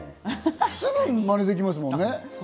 すぐマネできますもんね。